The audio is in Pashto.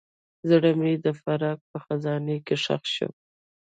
زړه مې د فراق په خزان کې ښخ شو.